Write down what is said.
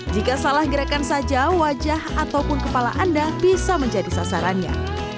jika salah gerakan saja wajah ataupun kepala anda bisa menjadi sasarannya